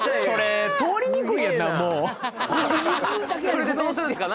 それでどうするんですか？